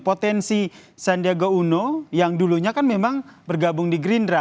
potensi sandiaga uno yang dulunya kan memang bergabung di gerindra